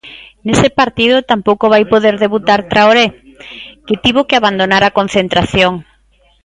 Nese partido tampouco vai poder debutar Traoré, que tivo que abandonar a concentración.